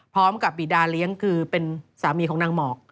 พร้อมกับบิดาเลี้ยงคือเป็นสามีของนางหมอก